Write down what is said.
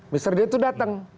mr d itu dateng